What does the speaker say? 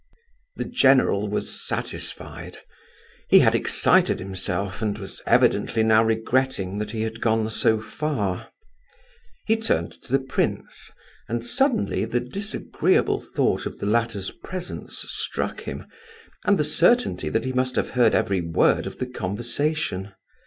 The general was satisfied. He had excited himself, and was evidently now regretting that he had gone so far. He turned to the prince, and suddenly the disagreeable thought of the latter's presence struck him, and the certainty that he must have heard every word of the conversation.